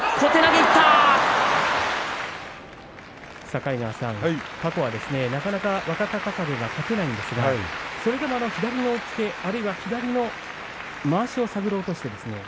境川さん過去はなかなか若隆景が勝てないんですがそれでも左の押っつけあるいは左のまわしを手繰ろうとしていますね。